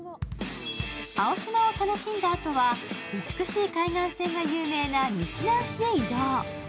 青島を楽しんだあとは、美しい海岸線が有名な日南市へ移動。